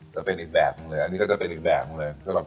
จะเป็นอีกแบบนึงเลยอันนี้ก็จะเป็นอีกแบบนึงเลย